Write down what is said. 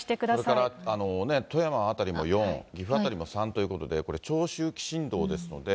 それから富山辺りも４、岐阜辺りも３ということですので、これ、長周期振動ですので。